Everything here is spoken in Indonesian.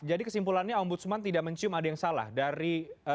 jadi kesimpulannya aung budsuman tidak mencium ada yang salah dari